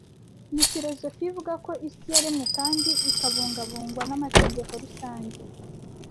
Ni Filozofiya ivuga ko isi yaremwe kandi ikabungabungwa n'amategeko rusange